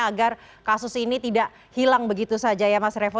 agar kasus ini tidak hilang begitu saja ya mas revo